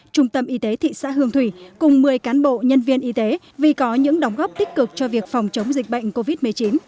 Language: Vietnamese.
trung tâm y tế thị xã hương thủy cùng một mươi cán bộ nhân viên y tế vì có những đóng góp tích cực cho việc phòng chống dịch bệnh covid một mươi chín